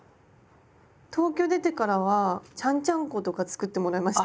東京出てからはちゃんちゃんことか作ってもらいました。